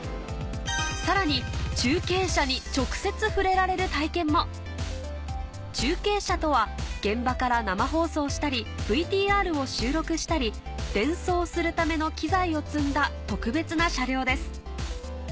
さらに中継車に直接触れられる体験も中継車とは現場から生放送したりＶＴＲを収録したり伝送するための機材を積んだ特別な車両です